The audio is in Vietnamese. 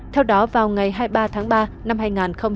theo đó vào ngày hai mươi ba tháng ba năm hai nghìn hai mươi